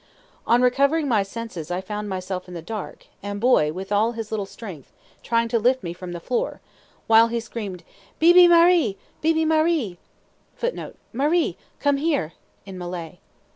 On recovering my senses I found myself in the dark, and Boy, with all his little strength, trying to lift me from the floor, while he screamed, "Beebe maree! Beebe maree!" [Footnote: Maree, "Come here" (Malay).